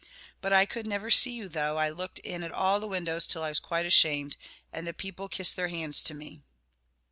But I could never see you, though I looked in at all the windows till I was quite ashamed, and the people kissed their hands to me."